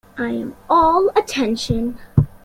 I am all attention.